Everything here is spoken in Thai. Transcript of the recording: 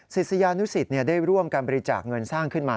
ศิษยานุสิตได้ร่วมการบริจาคเงินสร้างขึ้นมา